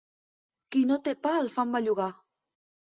Qui no té pa, el fan bellugar.